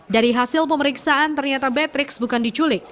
dari hasil pemeriksaan ternyata batrix bukan diculik